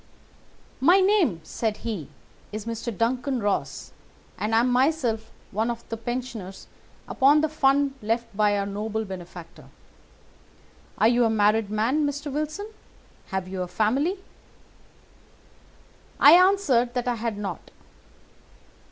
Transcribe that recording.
"'My name,' said he, 'is Mr. Duncan Ross, and I am myself one of the pensioners upon the fund left by our noble benefactor. Are you a married man, Mr. Wilson? Have you a family?' "I answered that I had not.